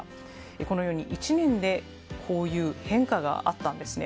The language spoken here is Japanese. このように１年でこういう変化があったんですね。